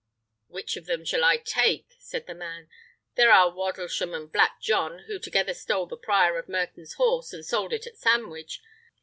"Which of them shall I take?" said the man. "There are Wandlesham and Black John, who together stole the Prior of Merton's horse, and sold it at Sandwich.